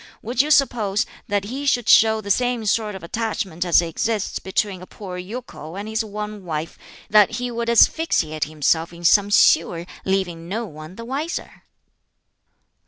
Would you suppose that he should show the same sort of attachment as exists between a poor yokel and his one wife that he would asphyxiate himself in some sewer, leaving no one the wiser?"